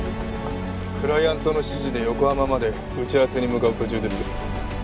クライアントの指示で横浜まで打ち合わせに向かう途中です。